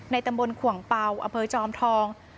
ตำบลขวงเป่าอำเภอจอมทอง